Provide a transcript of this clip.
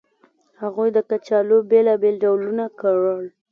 هغوی د کچالو بېلابېل ډولونه کرل